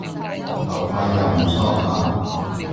頭髮又唔梳下